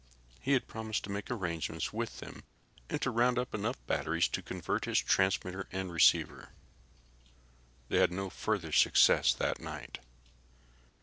He had promised to make arrangements with them and to round up enough batteries to convert his transmitter and receiver. They had no further success that night.